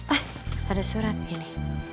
ah ada surat ini